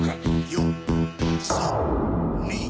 ４・３・２・１。